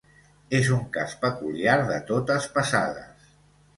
És un cas peculiar de totes passades.